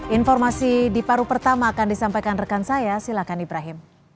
informasi di paru pertama akan disampaikan rekan saya silakan ibrahim